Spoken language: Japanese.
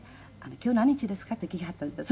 「今日何日ですか？」って聞きはったんですって。